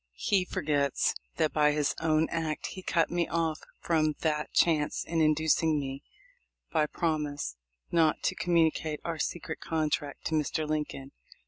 He forgets that by his own act he cut me off from that chance in inducing me, by promise, not to com municate our secret contract to Mr. Lincoln.